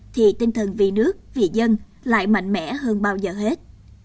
thì tinh thần vì nước vì dân lại mạnh mẽ hơn bao giờ hết